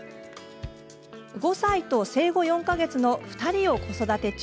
５歳と生後４か月の２人を子育て中。